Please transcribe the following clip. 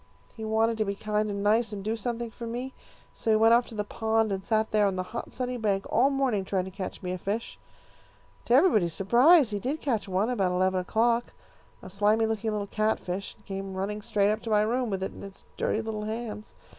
He wanted to be kind and nice, and do something for me, so he went off to the pond, and sat there on the hot sunny bank all morning, trying to catch me a fish. To everybody's surprise he did catch one about eleven o'clock, a slimy looking little catfish, and came running straight up to my room with it in his dirty little hands.